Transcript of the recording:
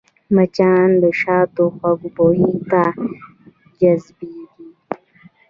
مچان د شاتو خوږ بوی ته جذبېږي